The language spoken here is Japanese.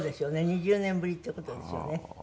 ２０年ぶりっていう事ですよね。